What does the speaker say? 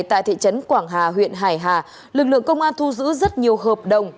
tại thị trấn quảng hà huyện hải hà lực lượng công an thu giữ rất nhiều hợp đồng